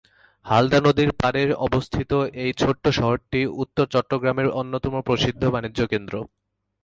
হালদা নদীর পাড়ে অবস্থিত এই ছোট্ট শহরটি উত্তর চট্টগ্রামের অন্যতম প্রসিদ্ধ বাণিজ্যিক কেন্দ্র।